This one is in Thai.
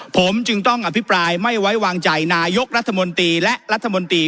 ผมจึงต้องอภิปรายไม่ไว้วางใจนายกรัฐมนตรีและรัฐมนตรี